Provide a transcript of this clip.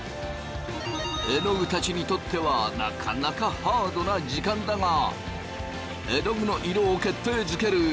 えのぐたちにとってはなかなかハードな時間だがえのぐの色を決定づける